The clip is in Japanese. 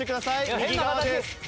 右側です。